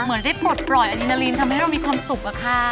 เหมือนได้ปลดปล่อยอดีนาลีนทำให้เรามีความสุขอะค่ะ